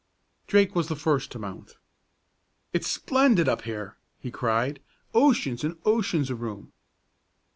Drake was the first to mount. "It's splendid up here!" he cried. "Oceans an' oceans o' room!"